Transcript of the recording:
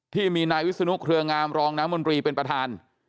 ที่มีนายวิศนุเครืองามรองน้ำมนตรีเป็นประธาน